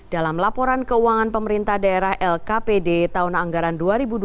dalam laporan keuangan pemerintah daerah lkpd tahun anggaran dua ribu dua puluh